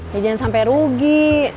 ya jangan sampai rugi